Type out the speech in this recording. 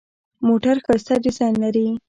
موټر ښایسته ډیزاین لري.